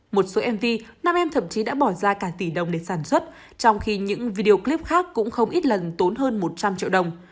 một số mv năm em thậm chí đã bỏ ra cả tỷ đồng để sản xuất trong khi những video clip khác cũng không ít lần tốn hơn một trăm linh triệu đồng